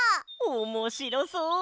おもしろそう！